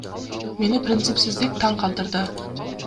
Мени принципсиздик таң калтырды.